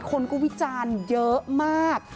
คนก็วิจารณ์เยอะมาก